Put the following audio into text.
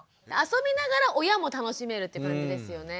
遊びながら親も楽しめるって感じですよね。